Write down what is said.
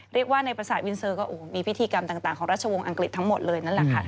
เรียกว่าในภาษาวินเซอร์ก็มีพิธีกรรมต่างของราชวงศ์อังกฤษทั้งหมดเลย